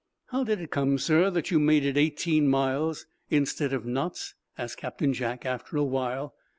"How did it come, sir, that you made it eighteen miles, instead of knots?" asked Captain Jack, after a while.